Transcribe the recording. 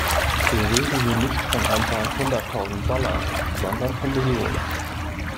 Wir reden hier nicht von ein paar Hunderttausend Dollar, sondern von Millionen.